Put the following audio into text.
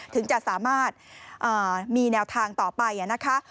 ถึงจะสามารถมีแนวทางต่อไปนะคะ